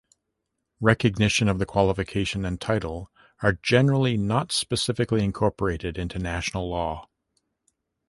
Recognition of the qualification and title are generally not specifically incorporated into national law.